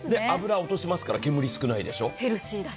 脂を落とせますから煙は少ないでしょ。